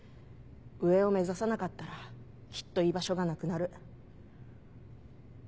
上を目指さなかったらきっと居場所がなくなる。